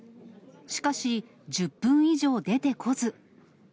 しかし、１０分以上出てこず。